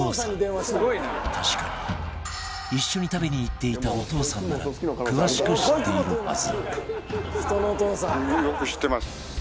確かに一緒に食べに行っていたお父さんなら詳しく知っているはず